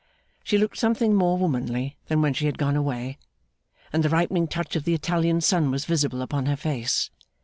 She looked something more womanly than when she had gone away, and the ripening touch of the Italian sun was visible upon her face.